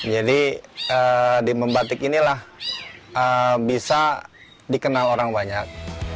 jadi di membatik inilah bisa dikenal orang banyak